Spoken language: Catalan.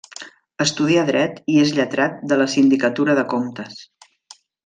Estudià dret i és lletrat de la Sindicatura de Comptes.